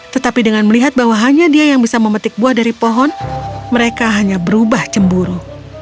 tetapi dengan melihat bahwa hanya dia yang bisa memetik buah dari pohon mereka hanya berubah cemburu